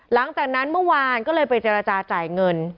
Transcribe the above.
หลังจากนั้นเมื่อวานก็เลยไปเจรจาจ่ายเงิน